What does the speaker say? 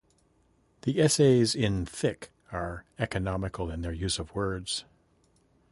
The essays in "Thick" are economical in their use of words.